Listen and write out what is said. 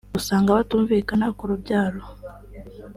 usanga batumvikana ku rubyaro